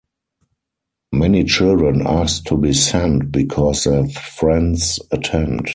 Many children ask to be sent because their friends attend.